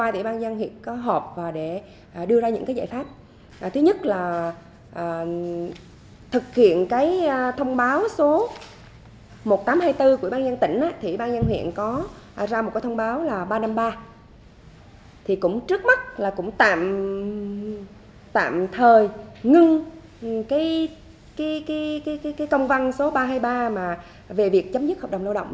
trước mắt tạm thời ngừng công văn số ba trăm hai mươi ba về việc chấm dứt hợp đồng lao động